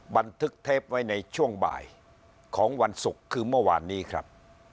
บันทึกเทปไว้ในช่วงบ่ายของวันศุกร์คือเมื่อวานนี้ครับ